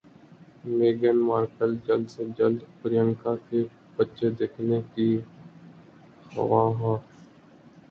میگھن Markle جلد سے جلد پریانکا کے بچے دیکھنے کی خواہاں